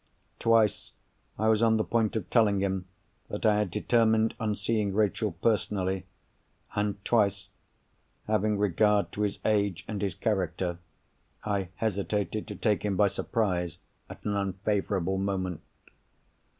Twice, I was on the point of telling him that I had determined on seeing Rachel personally; and twice, having regard to his age and his character, I hesitated to take him by surprise at an unfavourable moment.